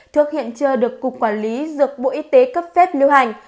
thuốc hiện chưa được cục quản lý dược bộ y tế cấp phép lưu hành